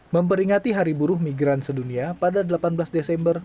memperingati hari buruh migran sedunia pada delapan belas desember